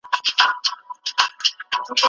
غږ د ده په روح کې د یوې غوټۍ په څېر وغوړېد.